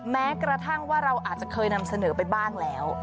แม้กระทั่งว่าเราอาจจะเคยนำเสนอไปบ้างแล้ว